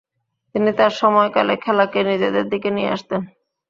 তিনি তার সময়কালে খেলাকে নিজেদের দিকে নিয়ে আসতেন।